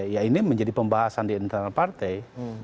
ya ini menjadi pembahasan di internal partai